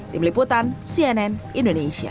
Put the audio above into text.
tim liputan cnn indonesia